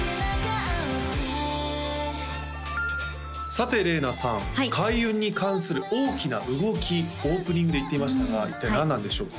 さてれいなさん開運に関する大きな動きオープニングで言っていましたが一体何なんでしょう？